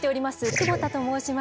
久保田と申します。